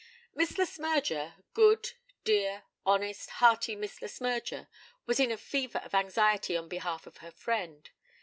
Miss Le Smyrger good, dear, honest, hearty Miss Le Smyrger, was in a fever of anxiety on behalf of her friend.